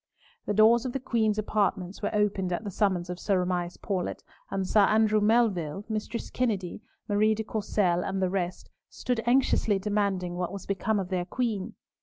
The doors of the Queen's apartment were opened at the summons of Sir Amias Paulett, and Sir Andrew Melville, Mistress Kennedy, Marie de Courcelles, and the rest, stood anxiously demanding what was become of their Queen.